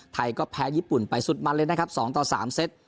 ไทยก็แพ้ญี่ปุ่นไปสุดมันเลยนะครับ๒ต่อ๓เซต